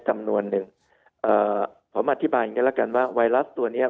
จำนวนหนึ่งเอ่อผมอธิบายอย่างงี้แล้วกันว่าไวรัสตัวเนี้ย